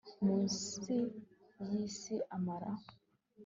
Munsi y isi amara